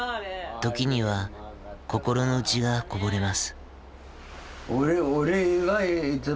時には心の内がこぼれます。